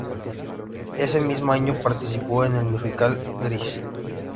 Ese mismo año, participó en el musical, Grease.